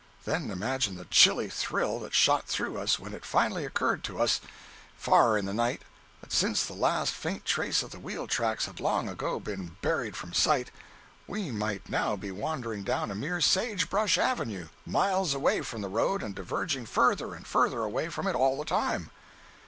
Then imagine the chilly thrill that shot through us when it finally occurred to us, far in the night, that since the last faint trace of the wheel tracks had long ago been buried from sight, we might now be wandering down a mere sage brush avenue, miles away from the road and diverging further and further away from it all the time.